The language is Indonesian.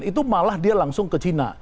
itu malah dia langsung ke china